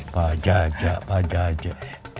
pak jajak pak jajak